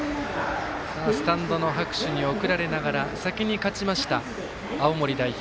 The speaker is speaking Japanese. スタンドの拍手に送られながら先に勝ちました青森代表